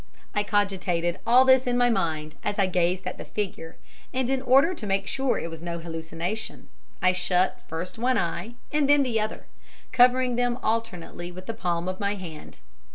I cogitated all this in my mind as I gazed at the figure, and in order to make sure it was no hallucination, I shut first one eye and then the other, covering them alternately with the palm of my hand.